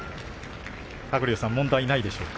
鶴竜さん、問題ないでしょうか。